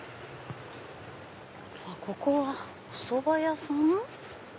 ここはおそば屋さん。